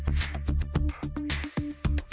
terima kasih banyak